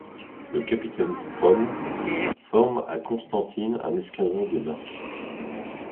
Le capitaine Strohl forme à Constantine un escadron de marche.